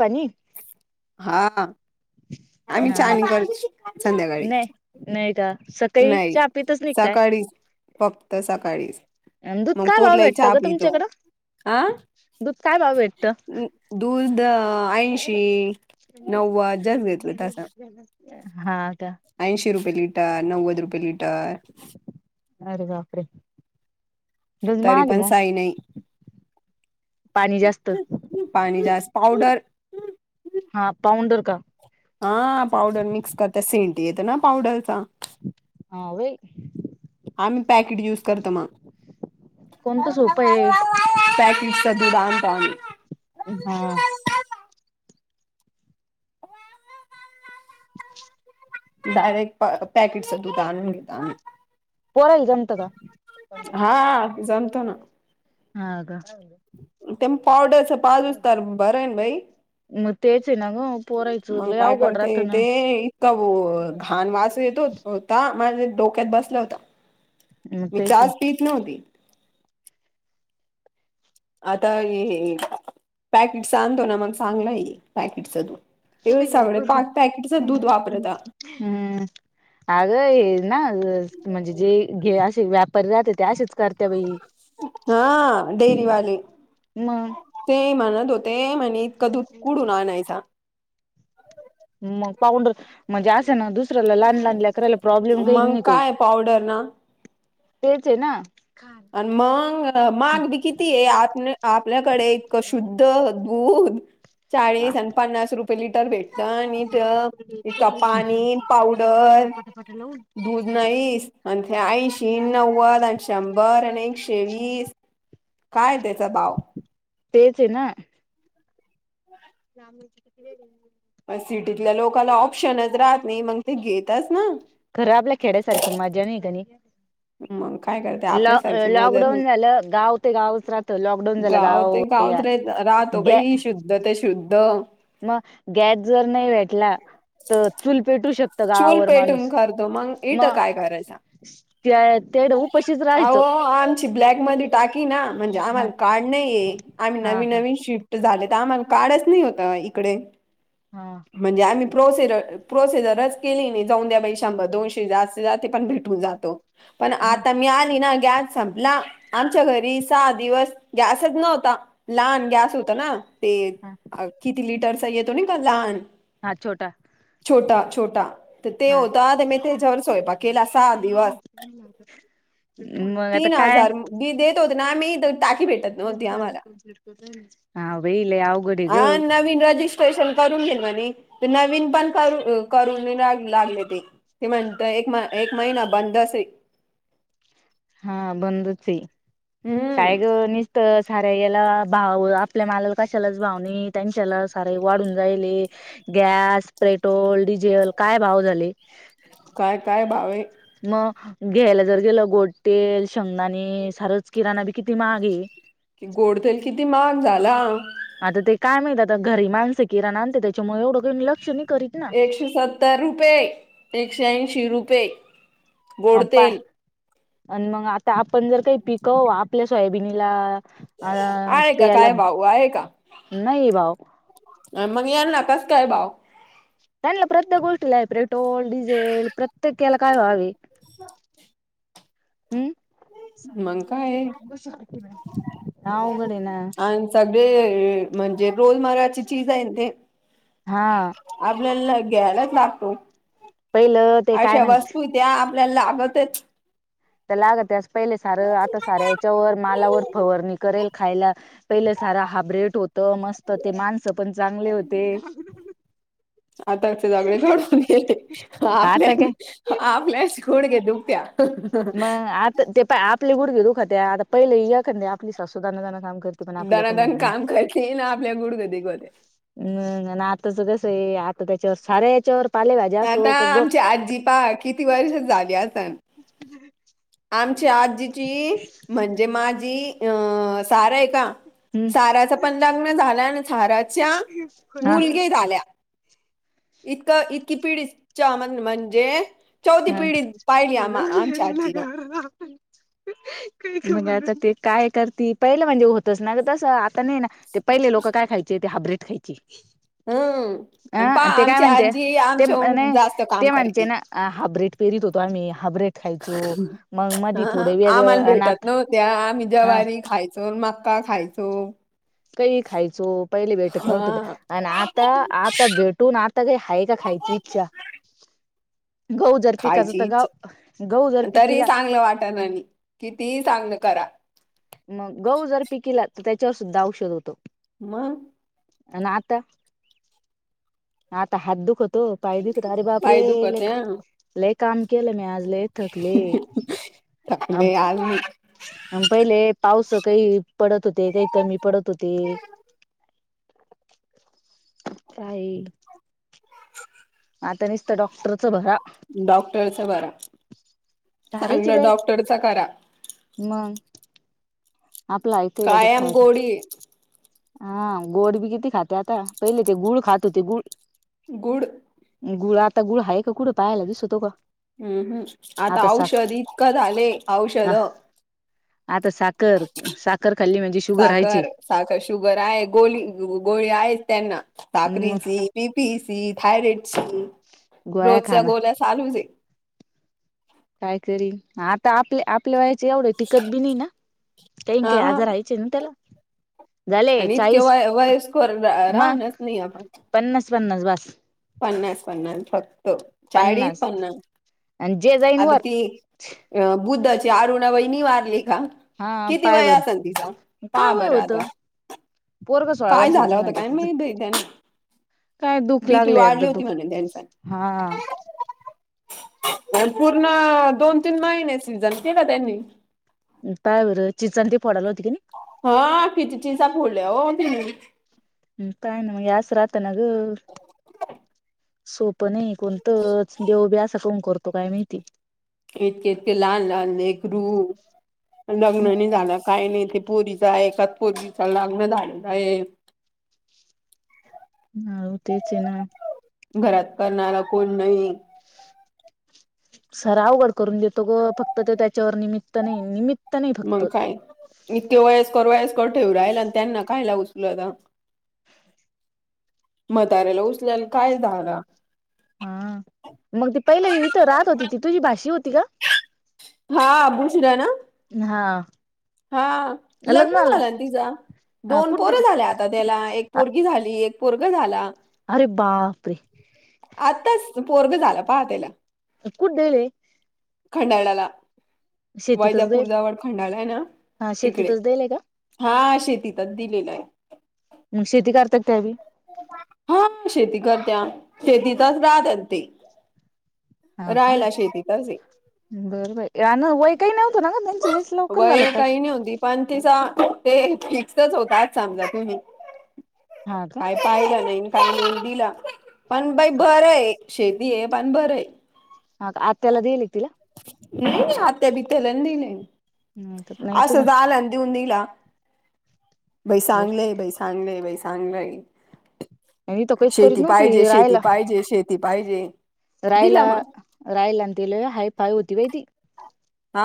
पनीर हा, आम्ही चहा अ नाही करत संध्याकाळी नाही नाही का सकाळी नाही चहा पीतच नाही काय? सकाळीच फक्त सकाळीच आण दूध काय भाव भेटत ग तुमच्याकडं? आं दूध काय भाव भेटत? दूध ऐंशी नव्वद जास्त घेतलं तसं हा त्या ऐंशी रुपये लिटर नव्वद रुपये लिटर अरे बापरे रज तरी महाग पण साई मग पाणी जास्त नाही पाणी जास्त पावडर हा पावंडर का हा पावडर मिक्स करता सेंट येत ना पावडरचा हा होय. आम्ही पॅकेट युज करतो मग कोणतं सोपं आहे. [unintelligible] हा. डायरेक्ट पॅकेटचं दुध आणून घेता पोरायला जमत का? हा जमतो ना हा काय ते पावडरच पाजूच तर बर आहेन बाई मग तेच आहे ना ग पोरायचं मग लय काय अवघड करते राहत ना ते इतका घाण वास येतो होता माझे डोक्यात बसला होता मग मी तेच आहे. चहाच पित नव्हती. आता हे पॅकेटस आणतो ना मग चांगल आहे पॅकेटच दूध इकडे सगळे पाक पॅकेटच दूध वापरता. हम्म अगं हे ना म्हणजे जे घे असे व्यापारी राहते ते असेच करते बाई हा डेरीवाले म ते म्हणत होते म्हणे इतक दूध कुडून आणायचा मग पाऊंडर म्हणजे असे ना दुस ऱ्याला लहान लहान लेकराला प्रॉब्लेम काही मग नाही काही काय पावडर ना तेच आहे ना आणि मग माघ बी किती आहे आन आपल्याकडे इतक शुद्ध दूध हा चाळीस आणि पन्नास रुपये लिटर भेट त आणि इथ तथ पाणी पावडर [unintelligible] दूध नाही आणि ते ऐंशी, नव्वद आणि शंभर आणि एकशे वीस काय त्याचा भाव तेचे ना ना सिटीतल्या लोकला ऑप्शनच राहत नाही मग ते घेतच ना खरं आपल्या खेड्यासारखी मजा नाही काणी मग काय करते ल आपल्यासारखी मदत लॉकडाऊन नाही झालं गाव ते गावच राहत लॉकडाऊन झालं ते गाव गावच अ रा राहतो ग बाई शुद्ध ते शुद्ध मग गॅस जर नाही भेटला तर चूल पेटू शकत चूल गावावर पेटून माणूस करतो मग इटं काय करायचा तेड अह आमची ब्लॅक म ाकी नटाकी ना म्हणजे हा आम्हाला कार्ड नाहीये आम्ही हा नवीन हा नवीन शिफ ट झाले तर आम्हाला काडच नाही होत इकडे हा म्हणजे आम्ही प्रोसेर प्रोसेसरच केली नाही जाऊन द्या पैशांबद्दल दोनशे जास्त जाते पण भेटून जातो. पण हा आता मी आली ना गॅस संपला आमच्या घरी सहा दिवस गॅसच नव्हता लहान गॅस होता ना ते हा किती लिटरचा येतो नाही का लहान हा छोटा छोटा छोटा तर ते हा होता म त्याच्यावर सोयंपाक गेला सहा दिवस मग आता तीन काय हजार बद होत ना आम् टाकी भेटत नव्हती आम्हाला ह बेले या गोडग नवीनज ेशल करून घेल म्हणे नवीन पण कर करून लागले ते ते म्हणत एक म एक महिना बंद अस हा बंदची हम्म काय ग नि तर साऱ्या याला भाव आपल्या मालाला कशालाच भाव नाही त्यांच्याला साराई वाढून जायले गॅस पेट्रोल डिझेल काय भाव झाले काय काय बावे मग घ्यायला जर गेलं गोट्टेल शेंगदाणी सारच किराणा बी किती मागे की गोड तेल किती मग झाला आता ते काय माहत आता घरी माणसं किराण आणते त्याच्यामुळे एवढं का लक्ष नाही करीत ना एकशे सत्तर रुपये एकशे ऐंशी रुपये अ गोड पा तेल आणि मग आता आपण जर काही पिकव आपल्या सोयाबीनीला आ आहे का तेला काय भाऊ आहे का येई बाव मग या नकास काय भाव त्यांना प्रत्येक गोष्टीला पेट्रोल डिझेल प्रत्येक केला काय व्हावे हम् मग काय ना उघडे ना आणि सगळे म्हणजे रोल मारची चीज आहे ते हा आपल्याला घ्यायलाच लागतो पहिलं ते काय अशा म्हणते वस्तू त्या आपल्याला लागतच त्या लाग त्यास पहिले सारं आता सारा याच्यावर मालावर फवारणी करेल खायला पहिलं सारा हाब्रेट होत मस्त ते माणसं पण चांगले होते आताचे जगळे घडून गेले आपल्या आता काय आप आप्लॅश खोड गे दुप्या. मग आता ते प आपले गुडघे दुखात आता पहिले या करते आपली सासू दानादाना काम करते पण आपल्याकडून होत दनादन नाही. काम करते ना आपल्या गुडग दुखतंय. हम् आणि आताच कसं आहे आता त्याच्यावर साऱ्या हेच्यावर आता आची आजि पहा किती वर्ष झाली असन. आमची आजीची म्हणजे माझी अं सारा आहे का? हम्म. साराच पण लग्न झालं आणि झाराच्या हा मुलगी झाल्या. इतक इतकी पिढीच्या म म्हणजे चौथी पीढी पाहीली आम आमचा आज्जी न. हा. मग आता ते काय करती पहिलं म्हणजे होतच ना ग तसं आता नाही ना. ते पहिले लोक काय खायचे ते हाब्रेट खायचे हम्म आणि पा अं ते काय आमची म्हणते आजी ते आमच्याहून नाही जास्त काम ते म्हणते करती ना हा हाब्रेड पेरत होतो आणि हाब्रेड ह वेगळं आम्हाला आणि भेटत आता नव्हत्या आम्ही हा जवारी खायचो मक्का खायचो. सो काही खायचो पहिले भेटत नव्हतं हा आणि आता आता भेटून आ ता काही हय का खयची इच्छा गहू जर पिकाचा तर खायचीच गाव गहू जर तरी पिकिला चांगलं वाट आणि किती चांगलं करा. मग गहू जर पिकिला तर त्याच्यावर सुद्धा औषध होतो. मग. आणि आता आता हात दुख होत. तो पाय दुखल अरे बाप रे पाय दुखते हा. लय काम केलं मी आज लै. थकले आम थकले आज मी पहिले पाऊस काही पडत होते काही कमी पडत होते ताई आता निसत डॉक्टर डॉक्टरच बरा सारायची चांगलं बॅत डॉक्टरच करा. मग. आपला ऐकय त्याच्यात कायम फायदा गोडी. हा गोड बी किती खाते आता पहिले ते गुळ खात होते गुळ गुड गुळ आता गुळ आहे का कुठ? हम्म हम्म आता औषध इतकं झालं ह औषध‌. आता साखर साखर खाल्ली म्हणजे शुगर राहायचे. साखर साखर शुगर आहे गोळी गोळी आहेच त्यांना मग साकरीची. बिपिन ची थायरॉइड सी गोळ्या रोजच्या खाणं गोला चालूच आहे. काय करीन आता आपल्या आपल्या वयाचे एवढं टिकत बी नाही ना काही हा काही हा आजार आहेत. चिंतला. आणि इतके वयस्कर मग राहणच नाही आपण पन्नास पन्नास बास. पन्नास पन्नास फक्त चाळीस पन्नास आणि जे जाईन आता वर ती अ बुद्धचे अरुणा वहिनी वारली काल. हा किती पाय वय बर असेल तिच का काय वय बरं होतं आता? पोरग सोळा काय वर्षाच झालं होतं म्हणत काय मा तिचं त्याने. काय दुःख बीपी लागलं एकदा वाढली होती दुःख म्हणे त्यांच्या. हा पूर्ण दोन तीन महिने सीझन केल त्यांनी. त्यायवरर चिचां ती पडत आसतील. हा कती चिसा फोडल्या ओ तेनी. काय ना मग यास राहत ना ग सोपं नाही. कोणतच देव बी असं कोन करतो काय माहिती इतके इतके लहान लहान लेकरकरू लग्न नाही झालं, काही नाही ते पोरीचा एकाच पोरीवीचा लग्न झालेलय. हो तेच ना घरात करणारा कोण नाही. सार अवघड करून देतो ग फक्त ते त्याच्यावर निमित्त नाही निमित्त, नाही फक्त मग काय इतके वयस्कर वयस कर ठेवू राहिला आणि त्यांना खयला उचलता म्हताऱ्याला उचल्याला काय झाला. हा मग ती पहिले इथं रहात होती ती तुझी भाशी होती का? हा बुसला ना हा हा लग्न लग्नाला झालं ना तिचा हा दोन कुठ पोर झाल्या. आता त्याला एक पोरगी झाली एक पोरग झाला अरे बापरे आताच पोरग झाला पहा त्याला. कुठदली. खंडाळला शेतीतच देईल वैजापूरजवळ खंडाळा आहे ना? हा तिकडे शेतीतच देईलय का? हा शेतीतच दिलेलं आहे म शेती करतात त्यावी हा शेती करत्या शेतीतच राहतेत ते हा का राहायला शेती कर बरं बर वय काही नव्हतं ना का त्यांच लेयच लवकर झालं वय काय काही नाही होती पण तिचा ते फिक्सच होताच समजा तुम्ही हा का काय पाहिलं नाही काय न दिला पण बाई बरं आहे शेती आहे पण बरं आहे हा आत्याला देला लीतला नाही नाही आते बिथ लहली नाही नाही तर नाही अस तू सध ल लाई सांगलं बाई सांगलं बाई सांगलंय मी तर काहीच करीत शेती पाहिजे नव्हती शेती पाहिजे शेती पाहिजे रायला दिला मग रायलातेला हाय पाय होती बाहिती हा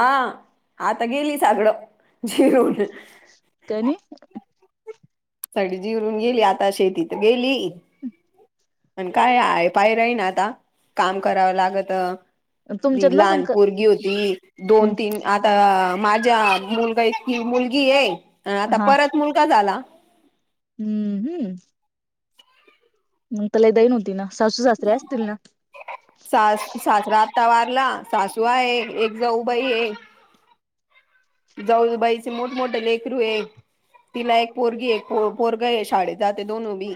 आता गेली सगळं जिरून काणी सगळी जीवररून गेली आता शेती तर गेली पण काय आहे पाय राही ना आता काम करावं लागत तुमच्यात नसन लहान का पोरगी होती दोन तीन आता माझ्या मुलगा मुलगी आहे आता हा परत मुलगा झाला हम्म हम्म मग त्याला दई नव्हती ना सासू सासऱ्या असतील ना सास सासरा आातता वारला सासू आहे एक जाऊबाई आहे जाऊबाईचे मोठ मोठे लेकरू आहे तिला एक पोरगी एक पोरग आहे शाळेत जाते दोन उभी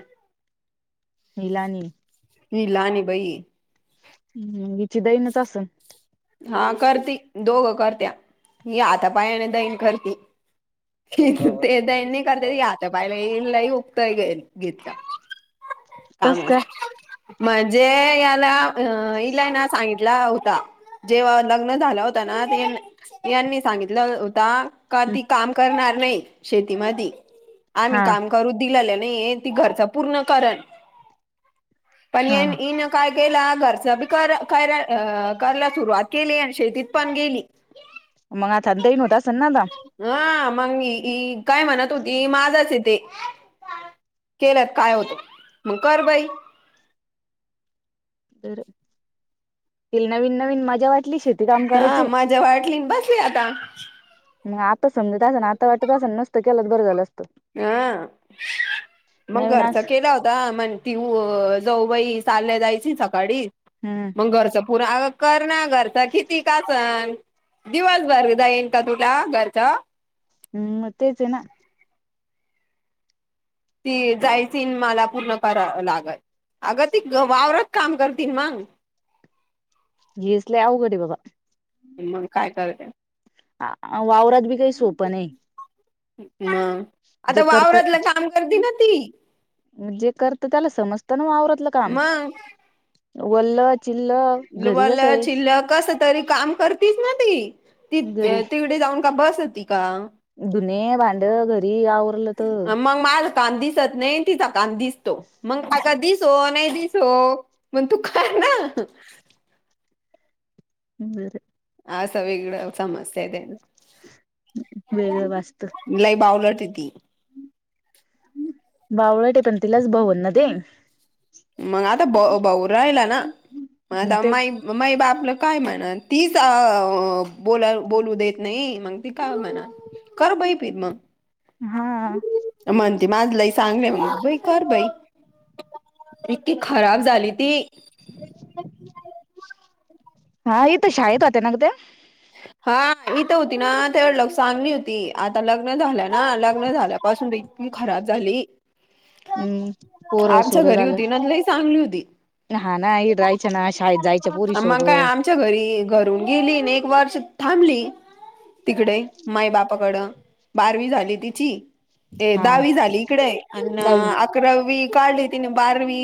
हलानी निलाणी बाई हीची दैनच असन हा करती दोघं करत्या ही आतापायाने दैन करती ते द नाही करत त घता पाहिला ये लही उघतय घेतलं काम तस काय म्हणजे याला अ इला ना सांगितला होता जेव्हा लग्न झालं होता ना यांनी सांगितलं होता का ती काम करणार नाही शेतीमध्ये आम्ही हा काम घ पूर्ण पण हा काय गे घरच काय सुरुवात केली आणि शेतीत पण गेली मगा थंदही न दसन ना त हा मग काय म्हणत होती माझाच य ते केलत काय होत मग कर बाई तर ते नवीन नवीन मजा वाटली शेती काम करायची े वाटली बसली आता मग आता समजत असा ना आता वाटत असा ना नसतं केला तर बरं झालं असतं हं मग नवीन घरचा अस केला होता म्हण ती जवबाई चालल्या जायची सकाळी मग घरचं पुूर करणार घरचा किती काच दिवसभर जा येईल का तुला घरच हम् म तेच आहे ना ती जायची न मला पूर्ण करा लागल, अगं ती वावरात काम करतील मग केस लय आवघड आहे बाबा. मग काय करते? आ वावरात बी काही सोपं नाही. म आता जे करत वावरातलं काम करते ना, ती. जे करत त्याला समजत ना वावरतलं. मंग वल्ल, चिल्ल. घरी कसं वल्लं, आहे चिल्लं कस तरी काम करतीच ना ती. ती घरी तिकडे जाऊन का बसती का? धुन, भांड घरी आवरलं त. मग माझ काम दिसत नाही, तीच काम दिसत मग कधीच तो नाही दिसो, मग तू खा ना, ह् बर आस वेगळा समस्या आहेे त्या. वेगळं वाजतं. लई बावळट हाय ती. बावळट हाय, पण तिलाच भवलं ना ते. मग आता ब- बाऊ राहिला ना, मग आता ते माई मग माई -बा आपलं काय म्हणा तीच अ -बोला -बोलू देत नाही, मग ती काय म्हणा कर बाई प्रेम म हा म्हणते माझ लई सांगण्या [unintelligible] कर बाई इतकी खराब झाली ती. हा, इथ शाळेत होत्या ना ग त्या. हा हीथ होती ना तेवढ लय चांगली होती. आता लग्न झाल्या ना, लग्न झाल्यापासून तर इतकी खराब झाली. हम्म पोरं आमच्या -सोर घरी झालं. होती ना लई चांगली होती हा, ना, आई राहायच्या ना, शाळेत जायच्या पोरी मग काय सोबत. आमच्या घरी घरून गेलीन एक वर्ष थांबली. तिकडे माई बापाकडं बारवी झाली तिची, ए, हा दहावी झाली इकडे, अन, दहावी अकरावी काढली तिने बारवी